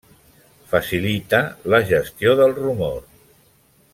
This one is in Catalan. Facilita la gestió del rumor.